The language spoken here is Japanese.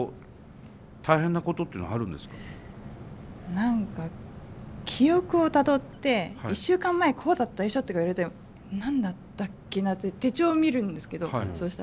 何か記憶をたどって１週間前こうだったでしょ？とか言われても何だったっけな？って手帳見るんですけどそうしたら。